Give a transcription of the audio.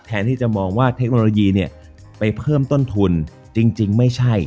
ที่จะมองว่าเทคโนโลยีเนี่ยไปเพิ่มต้นทุนจริงไม่ใช่